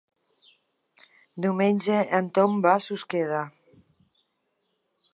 Diumenge en Tom va a Susqueda.